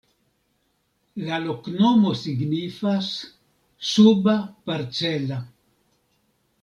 La loknomo signifas: suba-parcela.